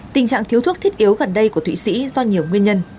tình trạng thiếu thuốc thiết yếu gần đây của thụy sĩ do nhiều nguyên nhân